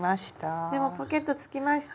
でもポケットつきました！